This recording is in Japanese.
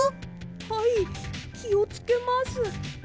はいきをつけます。